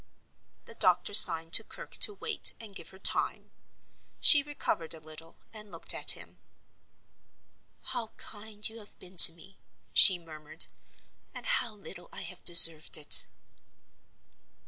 The doctor signed to Kirke to wait and give her time. She recovered a little and looked at him. "How kind you have been to me!" she murmured. "And how little I have deserved it!"